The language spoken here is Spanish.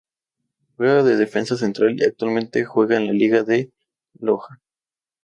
Juega de defensa central y actualmente juega en la Liga de Loja.